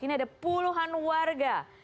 ini ada puluhan warga